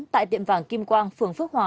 tại tiệm vàng kim quang phường phước hòa